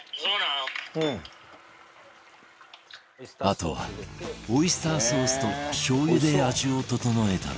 あとはオイスターソースとしょうゆで味を調えたら